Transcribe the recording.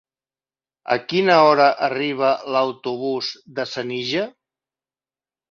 A quina hora arriba l'autobús de Senija?